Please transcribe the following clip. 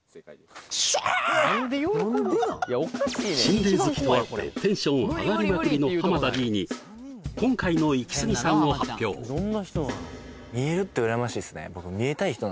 心霊好きとあってテンション上がりまくりの田Ｄに今回のイキスギさんを発表見えるって羨ましいですね